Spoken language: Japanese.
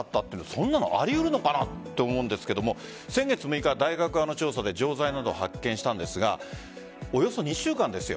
そんなのありうるのかなと思うんですけれども先月６日、大学側の調査で錠剤などを発見したんですがおよそ２週間ですよ。